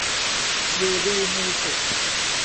อยู่ดีมีสุข